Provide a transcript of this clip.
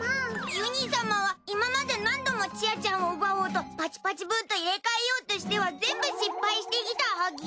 ゆに様は今まで何度もちあちゃんを奪おうとパチパチブーと入れ替えようとしては全部失敗してきたはぎ。